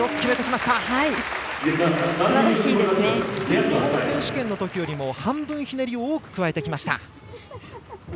全日本選手権のときよりも半分ひねりを多く加えてきました。